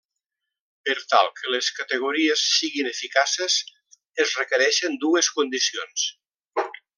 Per tal que les categories siguin eficaces es requereixen dues condicions.